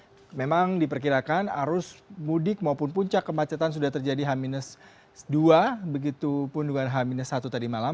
ya memang diperkirakan arus mudik maupun puncak kemacetan sudah terjadi h dua begitu pun dengan h satu tadi malam